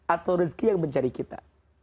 atau rezeki yang mencari kita